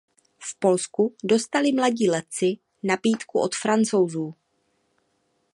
V Polsku dostali mladí letci nabídku od Francouzů.